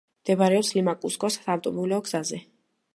მდებარეობს ლიმა–კუსკოს საავტომობილო გზაზე.